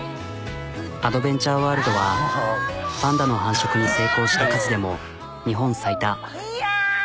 アドベンチャーワールドはパンダの繁殖に成功した数でも日本最多。